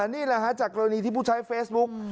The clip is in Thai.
นี่แหละฮะจากกรณีที่ผู้ใช้เฟซบุ๊ก